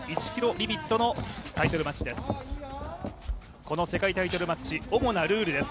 リミットのタイトルマッチです。